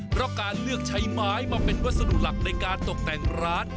เพราะการเลือกใช้ไม้มาเป็นวัสดุหลักในการตกแต่งร้าน